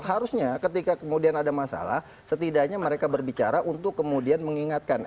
harusnya ketika kemudian ada masalah setidaknya mereka berbicara untuk kemudian mengingatkan